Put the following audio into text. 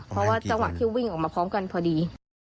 ค่ะเพราะว่าจ้องราชิควี่วิ่งออกมาพร้อมกันพอดี